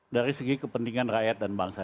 dari segi kepentingan rakyat dan bangsa